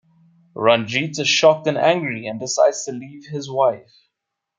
Ranjeet is shocked and angry, and decides to leave his wife.